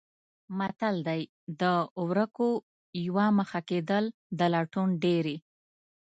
متل دی: د ورکو یوه مخه کېدل د لټون ډېرې.